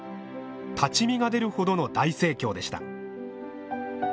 立ち見が出るほどの大盛況でした。